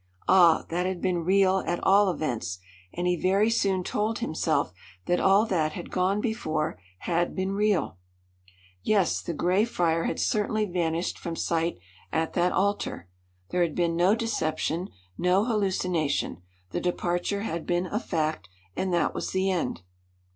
Ah! that had been real at all events, and he very soon told himself that all that had gone before had been real. Yes the gray friar had certainly vanished from sight at that altar. There had been no deception; no hallucination the departure had been a fact; and that was the end.